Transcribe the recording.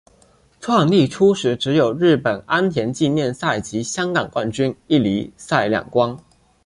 创立初时只有的日本安田纪念赛及香港冠军一哩赛两关。